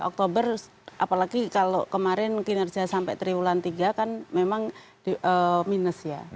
oktober apalagi kalau kemarin kinerja sampai triwulan tiga kan memang minus ya